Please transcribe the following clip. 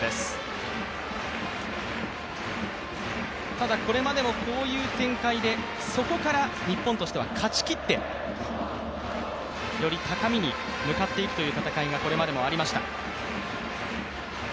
ただ、これまでもこういう展開でそこから日本としては勝ちきって、より高みに向かっていくという戦いがこれまでもありました。